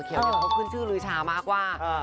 เดี๋ยวได้ดูกันแน่นอนรับรองว่า